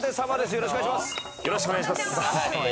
よろしくお願いします。